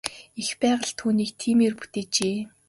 Эх байгаль нь түүнийг тиймээр бүтээжээ.